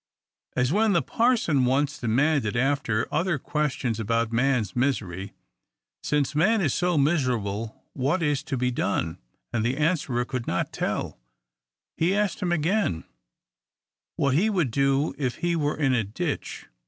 As when the parson once demanded, after other questions about man's misery, " Since man is so miserable, what is to be done ?" and the answerer could not tell : he asked him again, what he would do if he were in a ditch.